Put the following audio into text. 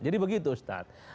jadi begitu ustadz